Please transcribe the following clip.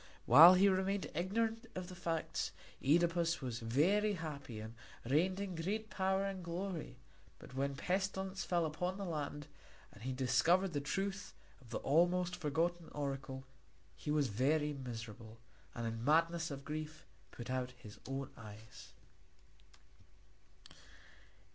While he remained ignorant of the facts Œdipus was very happy and reigned in great power and glory; but when pestilence fell upon the land and he discovered the truth of the almost forgotten oracle, he was very miserable, and in the madness of grief put out his own eyes.